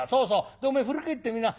でおめえ振り返ってみな。